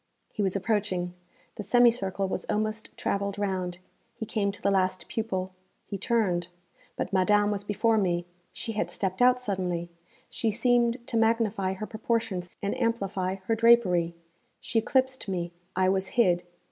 He was approaching; the semicircle was almost travelled round; he came to the last pupil; he turned. But Madame was before me; she had stepped out suddenly; she seemed to magnify her proportions and amplify her drapery; she eclipsed me; I was hid.